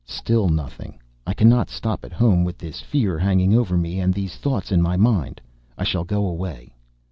_ Still nothing; I cannot stop at home with this fear hanging over me and these thoughts in my mind; I shall go away.